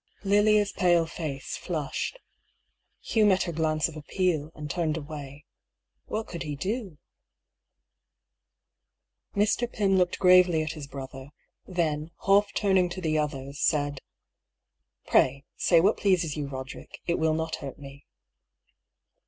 Lilia's pale face flushed. Hugh met her glance of appeal, and turned away. What could he do ? Mr. Pym looked gravely at his brother ; then, half turning to the others, said : A STARTLING PROPOSAL. 99 "Pray, say what pleases you, Roderick ; it will not hurt me."